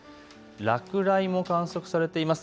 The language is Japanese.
落雷も観測されています。